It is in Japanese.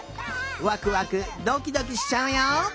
ワクワクドキドキしちゃうよ。